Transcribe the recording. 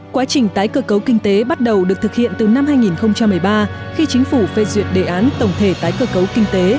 quá trình tái cơ cấu kinh tế bắt đầu được thực hiện từ năm hai nghìn một mươi ba khi chính phủ phê duyệt đề án tổng thể tái cơ cấu kinh tế